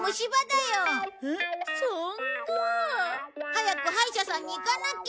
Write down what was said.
早く歯医者さんに行かなきゃ。